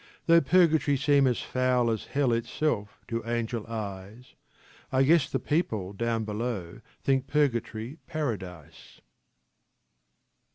Though purgatory seem as foul as Hell itself to angel eyes, I guess the people down below think Purgatory Paradise.